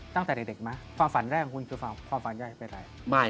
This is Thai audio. ตั้งแต่เด็กไหมความฝันแรกของคุณคือความฝันใหญ่เป็นอะไร